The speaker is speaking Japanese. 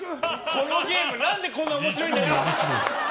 このゲーム何でこんな面白いんだよ！